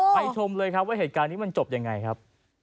ชมเลยครับว่าเหตุการณ์นี้มันจบยังไงครับ